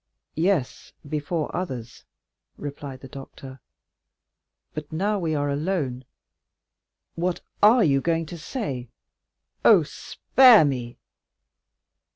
"Yes, before others," replied the doctor; "but now we are alone——" "What are you going to say? Oh, spare me!"